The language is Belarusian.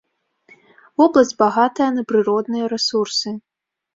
Вобласць багатая на прыродныя рэсурсы.